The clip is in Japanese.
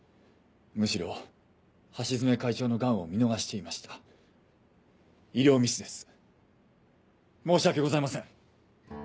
むしろ橋爪会長のがんを見逃していま医療ミスです申し訳ございません